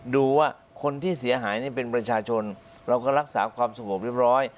ดูว่าคนที่เสียหายนี่เป็นประชาชนเราก็รักษาความสงบเรียบร้อย